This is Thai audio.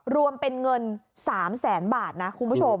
รวมเป็นเงิน๓แสนบาทนะคุณผู้ชม